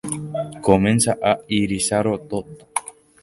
Comença a irisar-ho tot.